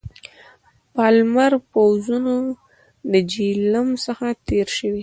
پالمر پوځونه له جیهلم څخه تېر شوي.